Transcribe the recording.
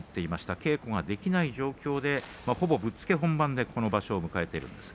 稽古ができない状況で、ほぼぶっつけ本番でこの場所を迎えているんですが。